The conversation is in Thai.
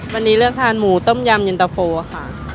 วันนี้เลือกทานหมูต้มยำเย็นตะโฟค่ะ